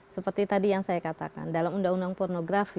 seperti tadi yang saya katakan dalam undang undang pornografi